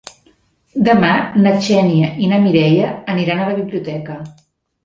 Demà na Xènia i na Mireia aniran a la biblioteca.